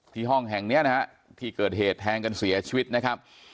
ห้องแห่งเนี้ยนะฮะที่เกิดเหตุแทงกันเสียชีวิตนะครับ